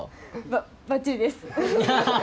ば、ばっちりです。